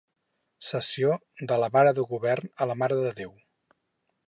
Cessió de la Vara de Govern a la Mare de Déu.